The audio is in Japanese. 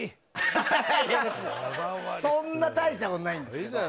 いやいや、そんな大したことないんですけど。